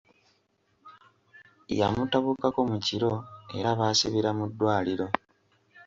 Yamutabukako mu kiro era baasibira mu ddwaliro.